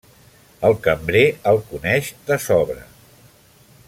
El cambrer el coneix de sobra.